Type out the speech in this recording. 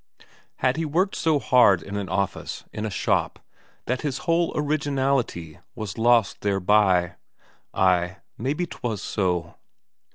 Had he worked so hard in an office, in a shop, that his whole originality was lost thereby? Ay, maybe 'twas so.